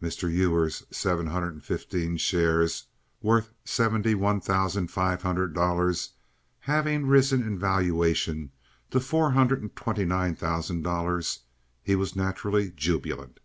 Mr. Ewer's seven hundred and fifteen shares, worth seventy one thousand five hundred dollars, having risen to a valuation of four hundred and twenty nine thousand dollars, he was naturally jubilant.